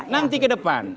nanti ke depan